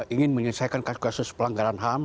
ingin menyelesaikan kasus kasus pelanggaran ham